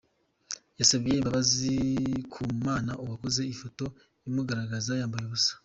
yasabiye imbabazi ku Mana uwakoze ifoto imugaragaza yambaye ubusa